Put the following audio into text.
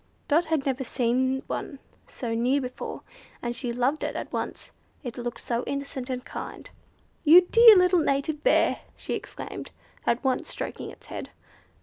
Dot had never seen one so near before, and she loved it at once, it looked so innocent and kind. "You dear little native Bear!" she exclaimed, at once stroking its head.